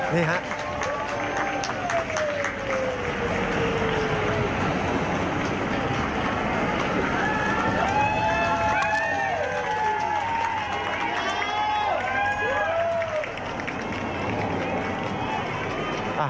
นี่ค่ะ